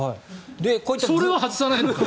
これは外さないのか！